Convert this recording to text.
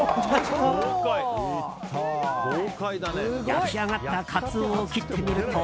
焼き上がったカツオを切ってみると。